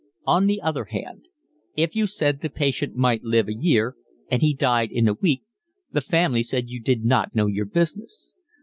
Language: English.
On the other hand, if you said the patient might live a year and he died in a week the family said you did not know your business.